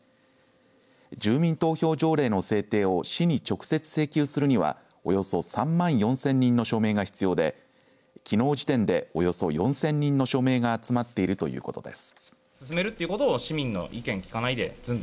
住民投票条例の制定を市に直接請求するにはおよそ３万４０００人の署名が必要できのう時点でおよそ４０００人の署名が集まっているということです。